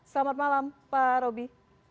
selamat malam pak roby